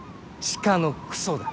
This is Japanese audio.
鹿のクソだ。